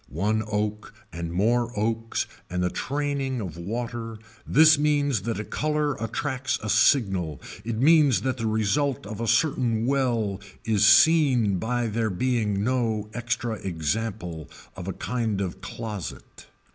One oak and more oaks and the training of water this means that a color attracts a signal it means that the result of a certain well is seen by there being no extra example of a kind of closet.